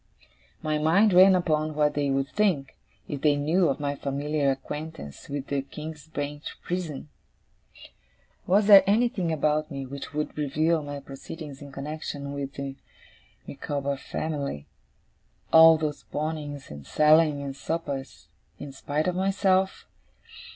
My mind ran upon what they would think, if they knew of my familiar acquaintance with the King's Bench Prison? Was there anything about me which would reveal my proceedings in connexion with the Micawber family all those pawnings, and sellings, and suppers in spite of myself?